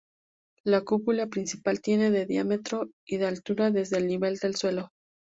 La cúpula principal tiene de diámetro y de altura desde el nivel del suelo.